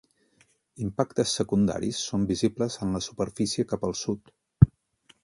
Impactes secundaris són visibles en la superfície cap al sud.